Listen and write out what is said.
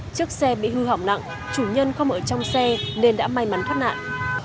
chiếc xe bị hư hỏng nặng chủ nhân không ở trong xe nên đã may mắn thoát nạn